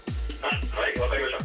☎はい分かりました。